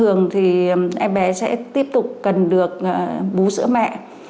em bé sẽ tiếp tục cần được bú sữa mẹ